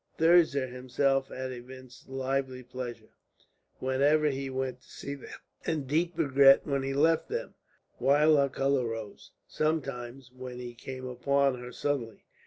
Thirza herself had evinced lively pleasure, whenever he went to see them, and deep regret when he left them; while her colour rose, sometimes, when he came upon her suddenly.